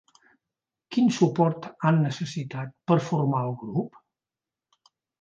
Quin suport han necessitat per formar el grup?